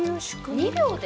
２秒で？